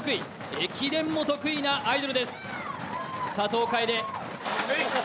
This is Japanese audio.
駅伝も得意なアイドルです。